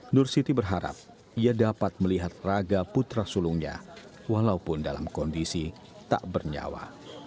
nur siti berharap ia dapat melihat raga putra sulungnya walaupun dalam kondisi tak bernyawa